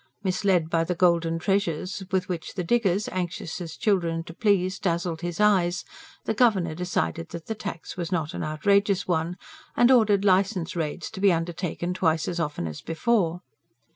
Misled by the golden treasures with which the diggers, anxious as children to please, dazzled his eyes, the Governor decided that the tax was not an outrageous one; and ordered licence raids to be undertaken twice as often as before.